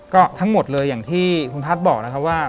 ก็ทั้งหมดเลยอย่างที่คุณพัฒน์บอกนะครับว่า